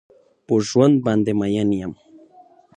په ژوندون باندې مين يم.